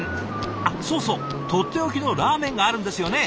あっそうそうとっておきのラーメンがあるんですよね。